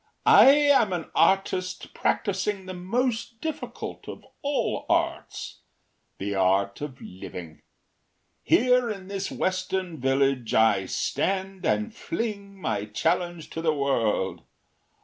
“I am an artist practising the most difficult of all arts the art of living. Here in this western village I stand and fling my challenge to the world.